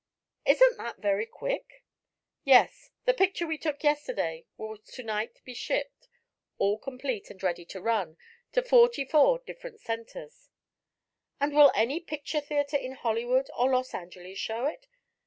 "Isn't that very quick?" "Yes. The picture we took yesterday will to night be shipped, all complete and ready to run, to forty four different centers." "And will any picture theatre in Hollywood or Los Angeles show it?"